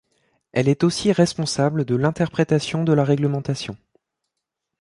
Elle est aussi responsable de l’interprétation de la réglementation.